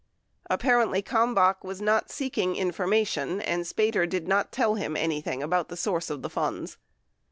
Appar ently Ivalmbach was not seeking information, and Spater did not tell him anything about the source of the funds.